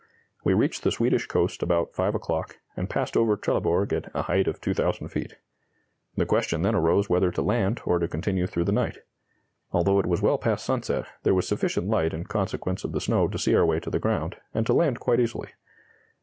We reached the Swedish coast about 5 o'clock, and passed over Trelleborg at a height of 2,000 feet. The question then arose whether to land, or to continue through the night. Although it was well past sunset, there was sufficient light in consequence of the snow to see our way to the ground, and to land quite easily....